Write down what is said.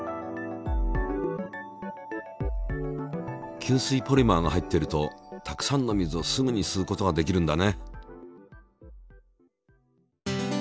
吸水ポリマーが入っているとたくさんの水をすぐに吸うことができるんだね。